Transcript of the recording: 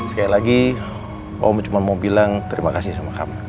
sekali lagi om cuma mau bilang terima kasih sama kamu